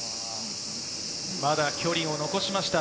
まだ距離を残しました。